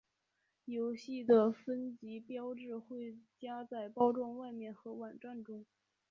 游戏的分级标志会加在包装外面和网站中。